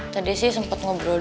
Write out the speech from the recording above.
tadi sih sempet ngobrol